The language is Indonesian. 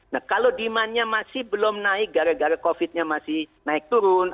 nah kalau demandnya masih belum naik gara gara covid nya masih naik turun